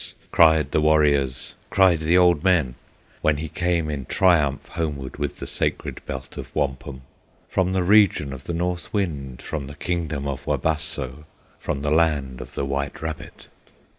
Cried the warriors, cried the old men, When he came in triumph homeward With the sacred Belt of Wampum, From the regions of the North Wind, From the kingdom of Wabasso, From the land of the White Rabbit.